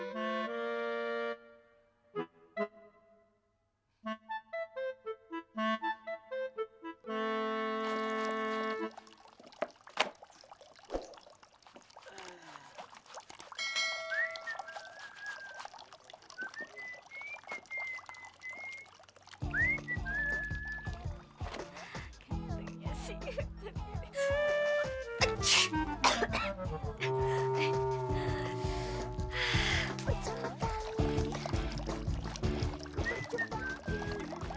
fatir cintaku kekasihku